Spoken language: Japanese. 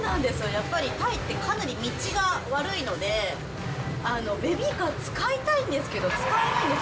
やっぱりタイってかなり道が悪いので、ベビーカー使いたいんですけど、使えないんです。